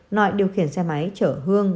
nội điều khiển xe máy chở hương